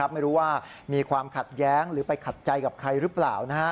ไม่รู้ว่ามีความขัดแย้งหรือไปขัดใจกับใครหรือเปล่า